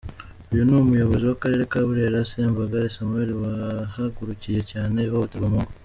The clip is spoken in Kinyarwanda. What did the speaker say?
Uyu ni Umuyobozi w’akarere ka Burera; Sembagare Samuel wahagurukiye cyane ihohoterwa mu ngo.